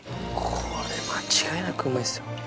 これ間違いなくうまいっすよ。